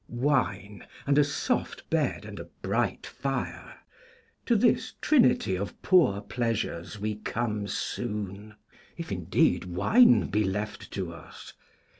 Wine, and a soft bed, and a bright fire: to this trinity of poor pleasures we come soon, if, indeed, wine be left to us.